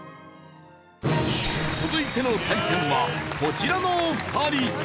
続いての対戦はこちらの２人。